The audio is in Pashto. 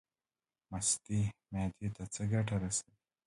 مستې معدې ته څه ګټه رسوي؟